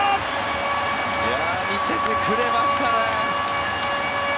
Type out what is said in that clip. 見せてくれましたね。